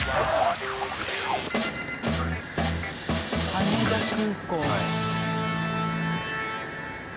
羽田空港。